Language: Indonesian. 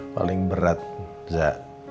paling berat za